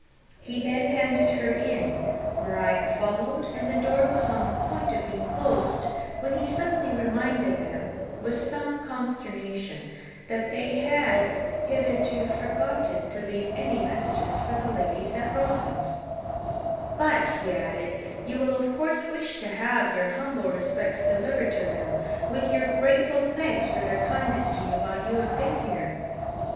He then handed her in, Maria followed, and the door was on the point of being closed, when he suddenly reminded them, with some consternation, that they had hitherto forgotten to leave any message for the ladies of Rosings. [Illustration: "They had forgotten to leave any message" ] "But," he added, "you will of course wish to have your humble respects delivered to them, with your grateful thanks for their kindness to you while you have been here."